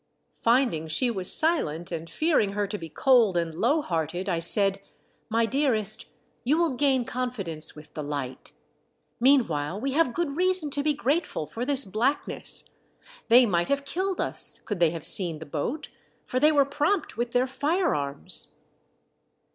Finding she was silent, and fearing her to be cold and low hearted, I said " My dearest, you will gain confidence with the light. Meanwhile, we have good reason to be grate ful for this blackness. They might have killed us could they have seen the boat, for they were prompt with their fire arms."